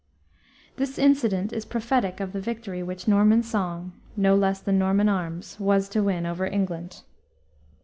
This incident is prophetic of the victory which Norman song, no less than Norman arms, was to win over England.